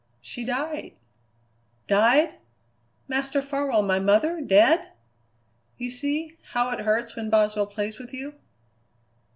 "She died " "Died? Master Farwell, my mother dead!" "You see how it hurts when Boswell plays with you?"